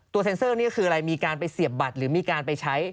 เซ็นเซอร์นี่ก็คืออะไรมีการไปเสียบบัตรหรือมีการไปใช้